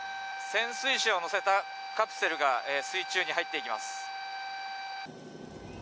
潜水士を乗せたカプセルが水中に入っていきます